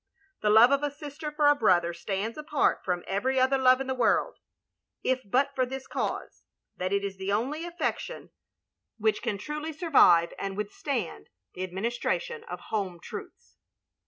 The love of a sister for a brother stands apart from every other love in the world, if but for this cause — ^that it is the only affection which can truly OP GROSVENOR SQUARE 327 survive and withstand the administration of home truths.